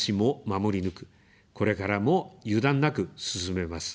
守り抜く、これからも油断なく進めます。